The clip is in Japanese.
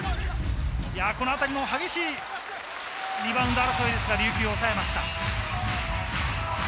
このあたりも激しいリバウンド争いですが、琉球が抑えました。